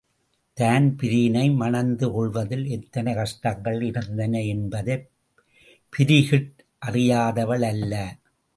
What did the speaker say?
தான்பிரீனை மணந்து கொள்வதில் எத்தனை கஷ்டங்கள் இருந்தன என்பதைப் பிரிகிட் அறியாதவளல்ல.